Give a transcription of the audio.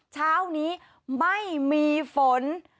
เช้านี้ไม่มีฝน